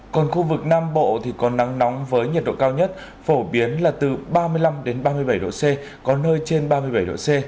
còn khu vực nam bộ thì có nắng nóng với nhiệt độ cao nhất phổ biến là từ ba mươi năm ba mươi bảy độ c có nơi trên ba mươi bảy độ c